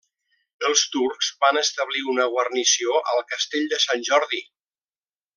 Els turcs van establir una guarnició al castell de Sant Jordi.